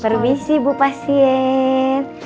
permisi bu pasien